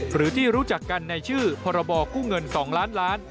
หรือที่รู้จักกันในชื่อพรบกู้เงิน๒ล้านล้าน